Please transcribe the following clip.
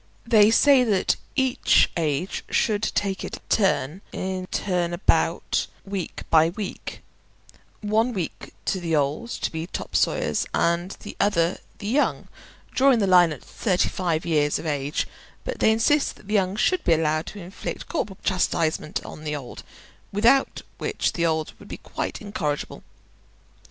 They say that each age should take it turn in turn about, week by week, one week the old to be topsawyers, and the other the young, drawing the line at thirty five years of age; but they insist that the young should be allowed to inflict corporal chastisement on the old, without which the old would be quite incorrigible.